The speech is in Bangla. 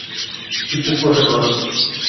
কিচ্ছু স্পর্শ করো না।